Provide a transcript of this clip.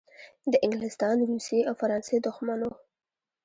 د انګلستان، روسیې او فرانسې دښمن وو.